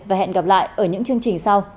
và hẹn gặp lại ở những chương trình sau trên intv